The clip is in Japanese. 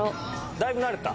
だいぶ慣れた？